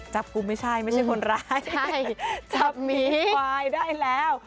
จับกลุ่มไม่ใช่ไม่ใช่คนร้ายจับหมีควายได้แล้ว